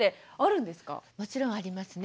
もちろんありますね。